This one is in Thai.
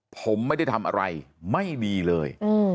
ผมไม่ได้ทำอะไรไม่ดีเลย